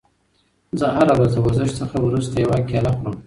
زه هره ورځ د ورزش څخه وروسته یوه کیله خورم.